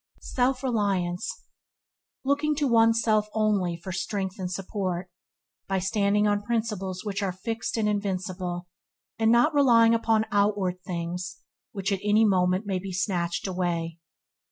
Self – Reliance – Looking to one's self only for strength and support by standing on principles which are fixed and invincible, and not relying upon outward things which at any moment may be snatched away.